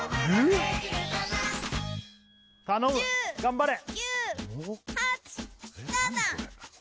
頼む頑張れも？